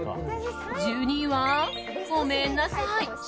１２位はごめんなさい。